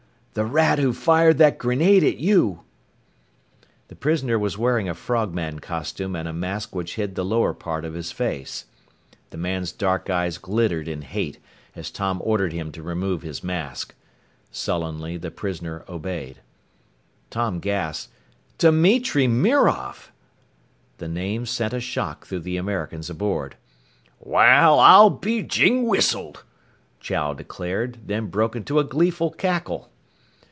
"The rat who fired that grenade at you!" The prisoner was wearing a frogman costume and a mask which hid the lower part of his face. The man's dark eyes glittered in hate, as Tom ordered him to remove his mask. Sullenly the prisoner obeyed. Tom gasped. "Dimitri Mirov!" The name sent a shock through the Americans aboard. "Wal, I'll be jing whistled!" Chow declared, then broke into a gleeful cackle.